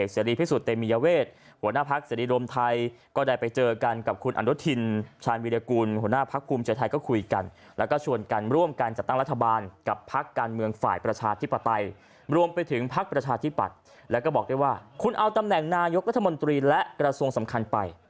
คุณเอาตำแหน่งนายกรัฐมนตรีและกระทรวงสำคัญไป